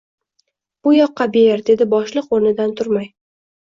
— Bu yoqqa ber, — dedi boshliq o’rnidan turmay.